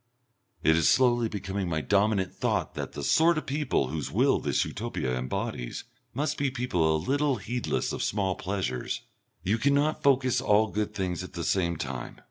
It is slowly becoming my dominant thought that the sort of people whose will this Utopia embodies must be people a little heedless of small pleasures. You cannot focus all good things at the same time.